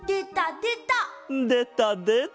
でたでた！